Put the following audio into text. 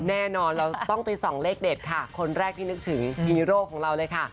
แน่นอนเราต้องไป๒เลขเด็ตคนแรกที่นึกถึงฮีโร่ของเรา